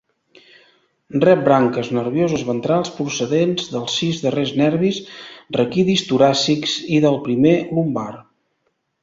Rep branques nervioses ventrals procedents dels sis darrers nervis raquidis toràcics i del primer lumbar.